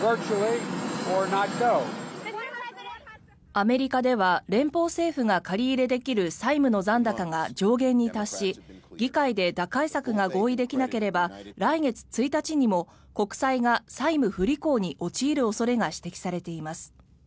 アメリカでは連邦政府が借り入れできる債務の残高が上限に達し議会で打開策が合意できなければ来月１日にも国債が債務不履行に陥る恐れが指摘されています。